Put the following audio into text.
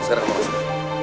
sekarang mau masuk